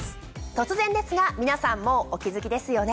突然ですが皆さんもうお気付きですよね。